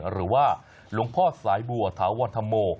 หรือว่าหลวงพ่อสายบัวถาวรธรรมโม